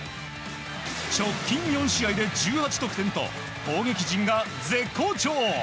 直近４試合で１８得点と攻撃陣が絶好調！